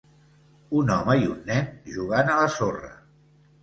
Un home i un nen jugant a la sorra.